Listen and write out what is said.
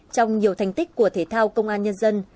trong nhiều thành tích của thể thao công an nhân dân